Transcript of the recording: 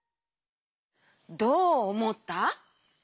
どうおもった？